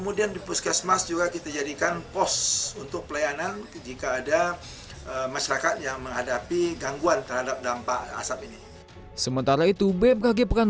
mengingat musim panas sedang melanda riau hingga dapat memicu kebakaran yang lebih luas